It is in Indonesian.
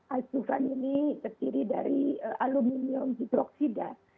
azuhan ini terdiri dari aluminium hidroksida